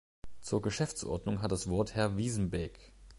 Zur Geschäftsordnung hat das Wort Herr Wijsenbeek.